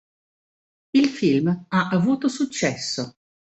Il film ha avuto successo.